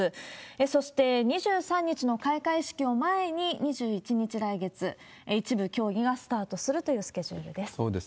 そして、２３日の開会式を前に、２１日来月、一部競技がスタートするというスケジュールです。